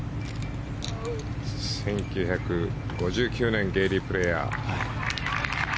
１９５９年ゲーリー・プレーヤー